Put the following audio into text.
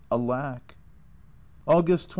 Alack ! August 27.